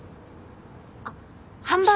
あっハンバー。